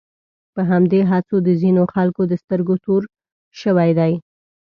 په همدې هڅو د ځینو خلکو د سترګو تور شوی دی.